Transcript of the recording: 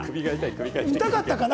見たかったかな？